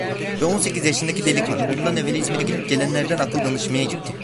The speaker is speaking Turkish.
Ve on sekiz yaşındaki delikanlı, bundan evvel İzmir’e gidip gelenlerden akıl danışmaya gitti.